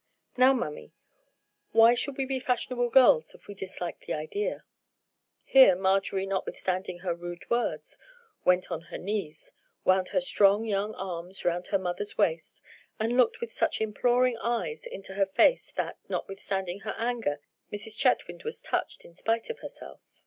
Now, mammy, why should we be fashionable girls if we dislike the idea?" Here Marjorie, notwithstanding her rude words, went on her knees, wound her strong young arms round her mother's waist, and looked with such imploring eyes into her face that, notwithstanding her anger, Mrs. Chetwynd was touched in spite of herself.